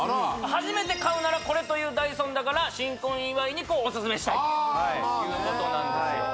初めて買うならこれというダイソンだから新婚祝いにこうおすすめしたいということなんですよ